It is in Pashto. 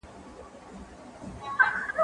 دا خواړه له هغو تازه دي